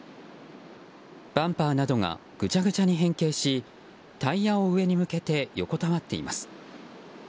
バンパーなどがぐちゃぐちゃに変形しタイヤを上に向けて横たわっています。